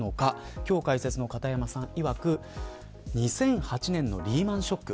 今日、解説の片山さんいわく２００８年のリーマンショック。